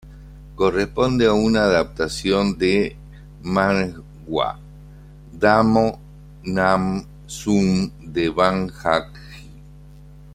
Corresponde a una adaptación del manhwa "Damo Nam Soon" de Bang Hak Gi.